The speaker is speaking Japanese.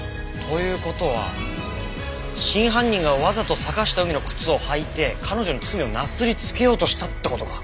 という事は真犯人がわざと坂下海の靴を履いて彼女に罪をなすりつけようとしたって事か。